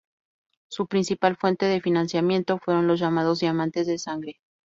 Su principal fuente de financiamiento fueron los llamados "diamantes de sangre".